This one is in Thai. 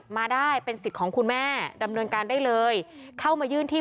มาได้เป็นสิทธิ์ของคุณแม่ดำเนินการได้เลยเข้ามายื่นที่